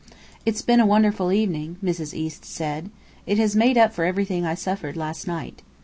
"It's been a wonderful evening," Mrs. East said. "It has made up for everything I suffered last night.